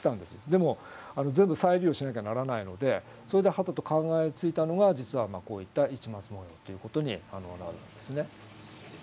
でも全部再利用しなきゃならないのでそれではたと考えついたのが実はこういった市松模様ということになるんですね。